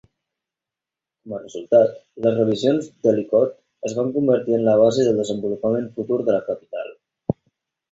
Com a resultat, les revisions d'Ellicott es van convertir en la base del desenvolupament futur de la capital.